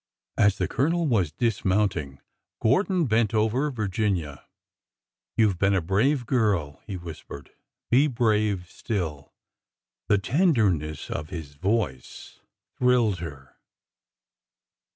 As the Colonel was dismounting, Gordon bent over Virginia. You 've been a brave girl !" he whispered. " Be brave still 1 " The tenderness of his voice thrilled her.